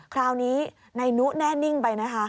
คราวนี้นายนุแน่นิ่งไปนะคะ